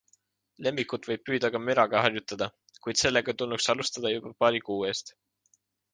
Lemmikut võib püüda ka müraga harjutada, kuid sellega tulnuks alustada juba paari kuu eest.